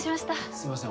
すいません